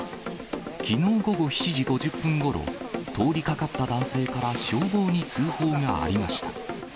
きのう午後７時５０分ごろ、通りかかった男性から消防に通報がありました。